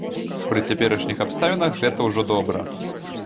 Пры цяперашніх абставінах гэта ўжо добра.